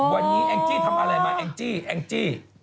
วันนี้แองจี้ทำอะไรมาแองจี้แองจี้